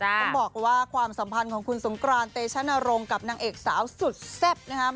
ต้องบอกว่าความสัมพันธ์ของคุณสงกรานเตชนรงค์กับนางเอกสาวสุดแซ่บนะครับ